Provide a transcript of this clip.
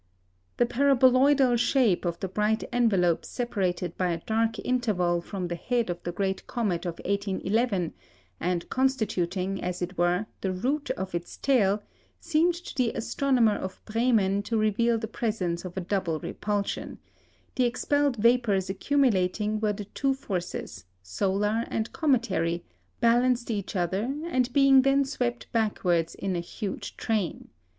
The paraboloidal shape of the bright envelope separated by a dark interval from the head of the great comet of 1811, and constituting, as it were, the root of its tail, seemed to the astronomer of Bremen to reveal the presence of a double repulsion; the expelled vapours accumulating where the two forces, solar and cometary, balanced each other, and being then swept backwards in a huge train.